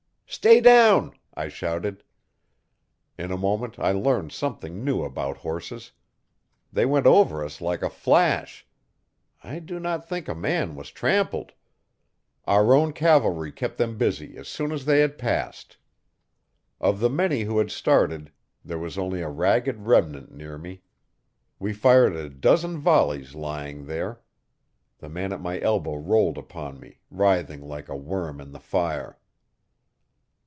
'Stay down!' I shouted. In a moment I learned something new about horses. They went over us like a flash. I do not think a man was trampled. Our own cavalry kept them busy as soon as they had passed. Of the many who had started there was only a ragged remnant near me. We fired a dozen volleys lying there. The man at my elbow rolled upon me, writhing like a worm in the fire.